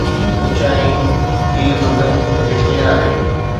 پڇيائين، ”تير فگن هتي ڪير آهي؟